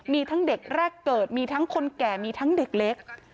มีทั้งเด็กแรกเกิดมีทั้งคนแก่มีทั้งเด็กเล็ก